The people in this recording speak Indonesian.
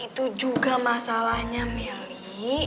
itu juga masalahnya meli